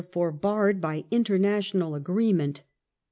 fore barred by international agreement.